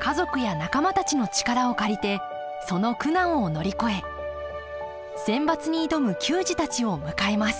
家族や仲間たちの力を借りてその苦難を乗り越えセンバツに挑む球児たちを迎えます